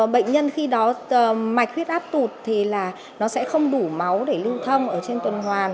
bệnh nhân khi đó mạch huyết áp tụt thì là nó sẽ không đủ máu để lưu thông ở trên tuần hoàn